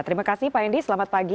terima kasih pak hendy selamat pagi